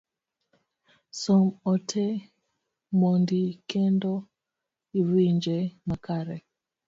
Som ote mondi kendo iwinje makare